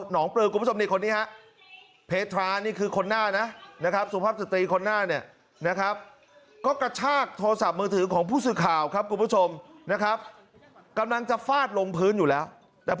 นะครับนี่จังหวะนี้จังหวะนี้นะฮะ